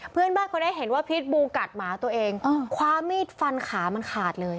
เพื่อนบ้านคนนี้เห็นว่าพิษบูกัดหมาตัวเองคว้ามีดฟันขามันขาดเลย